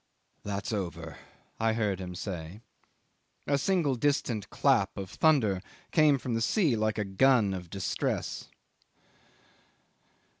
"That's over," I heard him say. A single distant clap of thunder came from the sea like a gun of distress.